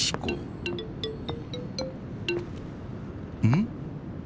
ん？